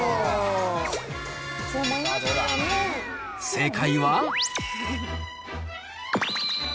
正解は。